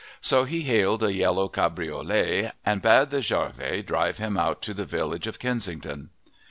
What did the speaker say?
So he hailed a yellow cabriolet and bade the jarvey drive him out to the village of Kensington.